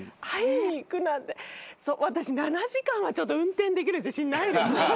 私７時間は運転できる自信ないです。